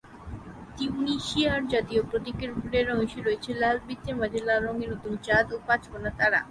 তিউনিসিয়ার জাতীয় প্রতীকের উপরের অংশে রয়েছে লাল বৃত্তের মাঝে লাল রঙের নতুন চাঁদ ও পাঁচ কোণা তারা।